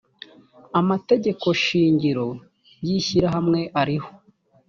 amategeko shingiro y ishyirahamwe ariho